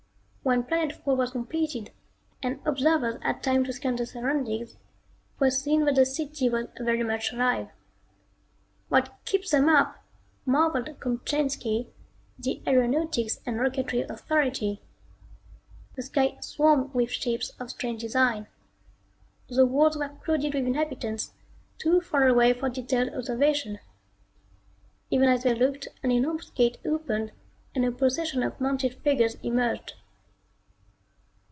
When planet fall was completed and observers had time to scan the surroundings it was seen that the city was very much alive. "What keeps them up!" marvelled Kopchainski, the aeronautics and rocketry authority. The sky swarmed with ships of strange design. The walls were crowded with inhabitants, too far away for detailed observation. Even as they looked an enormous gate opened and a procession of mounted figures emerged.